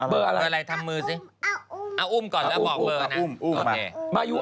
เบอร์อะไรมายู